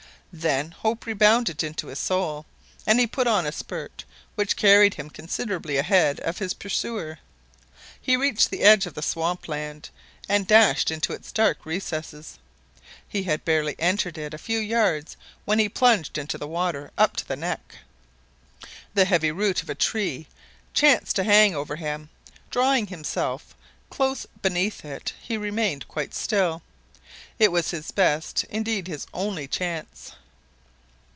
Then hope rebounded into his soul, and he put on a spurt which carried him considerably ahead of his pursuer. He reached the edge of the swamp land, and dashed into its dark recesses. He had barely entered it a few yards when he plunged into water up to the neck. The heavy root of a tree chanced to hang over him. Drawing himself close beneath it, he remained quite still. It was his best indeed his only chance.